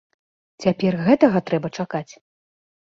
Цяпер гэтага трэба чакаць?